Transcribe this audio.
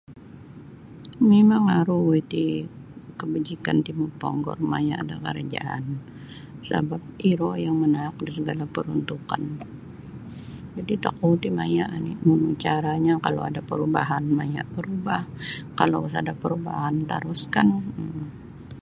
Mimang aru iti kabajikan ti moponggor maya' da karajaan sabap iro yang manaak da sagala paruntukan. Jadi' tokou ti maya' oni nunu caranyo kalau ada' parubahan maya' barubah kalau sada' parubahan taruskan um.